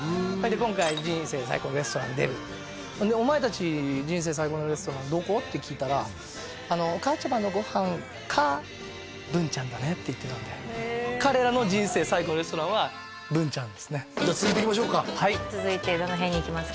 今回「人生最高レストラン」出る「お前達人生最高のレストランどこ？」って聞いたら「お母ちゃまのご飯か」「文ちゃんだね」って言ってたんで彼らの人生最高のレストランは文ちゃんですね続いていきましょうか続いてどの辺にいきますか？